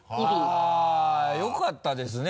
はぁよかったですね